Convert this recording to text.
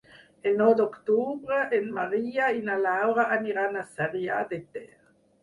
El nou d'octubre en Maria i na Laura aniran a Sarrià de Ter.